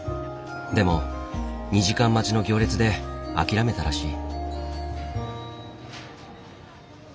でも２時間待ちの行列で諦めたらしい。